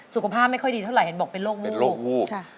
สุขภาพไม่ค่อยดีเท่าไหร่เห็นบอกเป็นโรควูบ